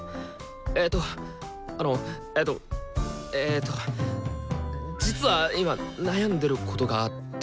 えっとあのえとえっと実は今悩んでることがあって。